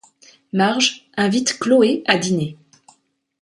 Marge invite Chloé à dîner.